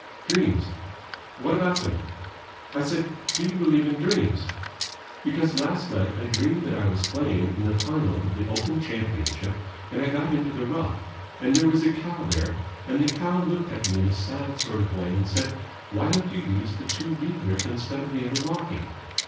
"Dreams." "What about them?" "I said, 'Do you believe in dreams?' Because last night I dreamed that I was playing in the final of the Open Championship, and I got into the rough, and there was a cow there, and the cow looked at me in a sad sort of way and said, 'Why don't you use the two V grip instead of the interlocking?'